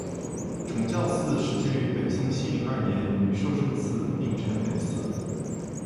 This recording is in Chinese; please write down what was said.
崇教寺始建于北宋熙宁二年与寿圣寺并称北寺。